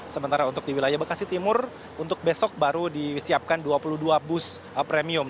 sementara untuk di wilayah bekasi timur untuk besok baru disiapkan dua puluh dua bus premium